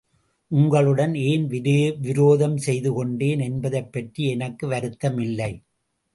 உங்களுடன் ஏன் விரோதம் செய்து கொண்டேன் என்பதைப் பற்றி எனக்கு வருத்தம் இல்லை.